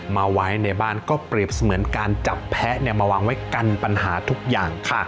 มาไว้ในบ้านก็เปรียบเสมือนการจับแพ้มาวางไว้กันปัญหาทุกอย่างค่ะ